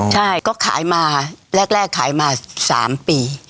ใช่ก็ขายมาแรกขายมา๓ปี